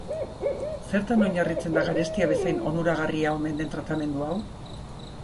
Zertan oinarritzen da garestia bezain onuragarria omen den tratamendu hau?